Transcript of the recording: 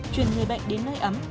chuyển người bệnh đến nơi ấm